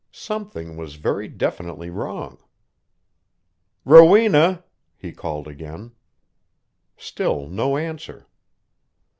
Something was very definitely wrong. "Rowena!" he called again. Still no answer.